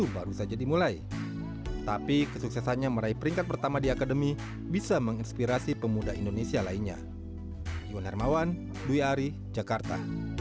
bagi let the always keluarga adalah motivasi untuk menjaga kemampuan kita